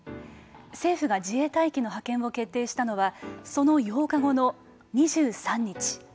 政府が自衛隊機の派遣を決定したのはその８日後の２３日。